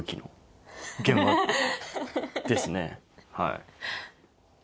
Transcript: はい。